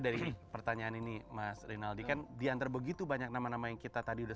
dari pertanyaan ini mas rinaldi kan diantar begitu banyak nama nama yang kita tadi udah